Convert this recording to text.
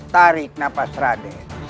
tarik nafas raden